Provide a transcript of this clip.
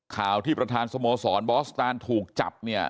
ข่าวที่ประธานสโมสรบอสตานถูกจับเนี่ย